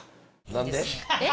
何で？